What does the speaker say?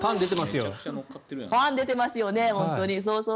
パン、出てますよね。